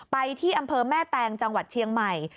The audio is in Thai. ไปที่อำเภอแม่แตงจังหวัดเชียงใหม่